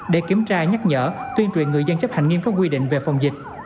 để kiểm tra nhắc nhở tuyên truyền người dân chấp hành nghiêm các quy định về phòng dịch